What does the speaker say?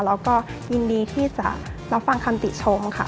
แล้วก็ยินดีที่จะรับฟังคำติชมค่ะ